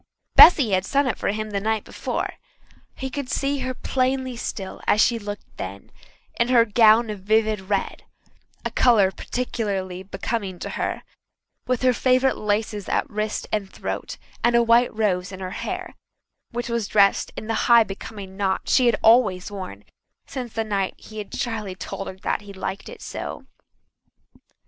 Bessy had sung it for him the night before. He could see her plainly still as she had looked then, in her gown of vivid red a colour peculiarly becoming to her with her favourite laces at wrist and throat and a white rose in her hair, which was dressed in the high, becoming knot she had always worn since the night he had shyly told her he liked it so.